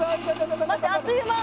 待ってあっという間。